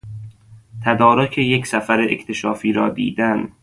تدارک یک سفر اکتشافی را دیدن